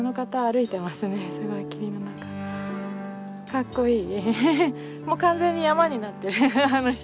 かっこいい。